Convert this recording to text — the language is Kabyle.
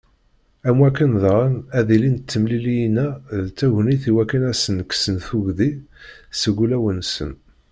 Am wakken daɣen, ad ilint temliliyin-a d tagnit i wakken ad sen-kksen tuggdi seg ulawen-nsen.